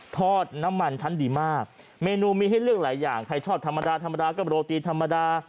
ทอดน้ำมันชั้นดีมากเมนูมีให้เลือกหลายอย่างใครชอบธรรมดาธรรมดาก็โรตีธรรมดา